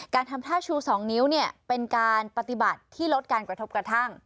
การทำท่าชู๒นิ้วเป็นการปฏิบัติที่ลดการกระทบกระทั่ง